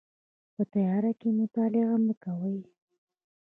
په تیاره کې مطالعه مه کوئ